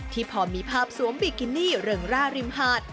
ที่พอมีภาพสวมบิกินี่เริงร่าริมหาด